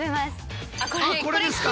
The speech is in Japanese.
あっこれですか。